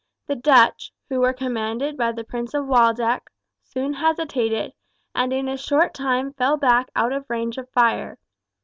The Dutch, who were commanded by the Prince of Waldeck, soon hesitated, and in a short time fell back out of range of fire.